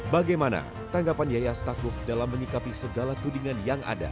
bagaimana tanggapan yaya stakuf dalam menyikapi segala tudingan yang ada